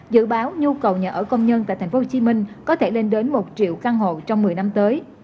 dự báo nhu cầu nhà ở công nhân tại tp hcm có thể lên đến một triệu căn hộ trong một mươi năm tới